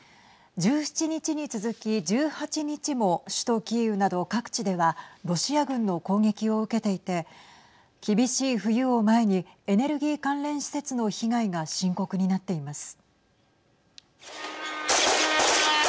１７日に続き、１８日も首都キーウなど各地ではロシア軍の攻撃を受けていて厳しい冬を前にエネルギー関連施設の被害が深刻になっています。